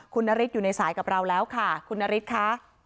คุณนฤทธิอยู่ในสายกับเราแล้วค่ะคุณนฤทธิ์ค่ะ